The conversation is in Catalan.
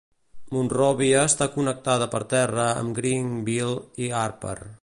Monròvia està connectada per terra amb Greenville i Harper.